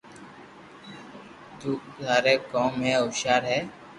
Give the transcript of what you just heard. تو ٿاري ڪوم ۾ ھوݾيار ھي